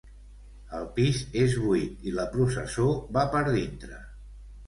El pis és buit i la processó va per dintre.